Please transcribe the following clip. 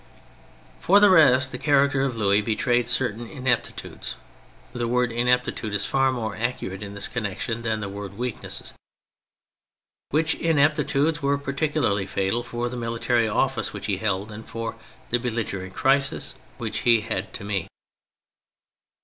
For the rest, the character of Louis betrayed certain ineptitudes (the word ineptitude is far more accurate in this connection than the word weakness), which ineptitudes were peculiarly fatal for the military office which he held and for the belligerent crisis which he had to meet.